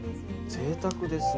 ぜいたくですね。